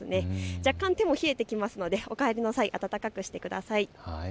若干、手も冷えてきますのでおかえりの際温かくしてください。